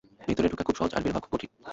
ভেতরে ঢোকা খুব সহজ আর বের হওয়া খুব কঠিন।